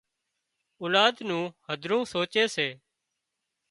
اولاد نُون هڌرون سوچي سي